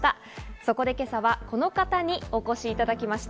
そこで今朝はこの方にお越しいただきました。